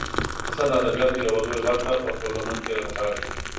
کیسه د ادبیاتو یوه لویه برخه په خپله لمن کې رانغاړي.